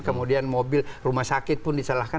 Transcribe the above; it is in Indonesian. kemudian mobil rumah sakit pun disalahkan